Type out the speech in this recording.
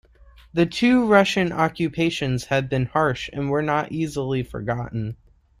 The two Russian occupations had been harsh and were not easily forgotten.